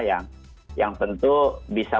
yang tentu bisa memperbaiki